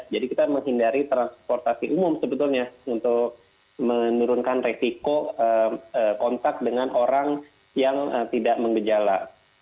jadi kita menghindari transportasi umum sebetulnya untuk menurunkan resiko kontak dengan orang yang tidak mengejala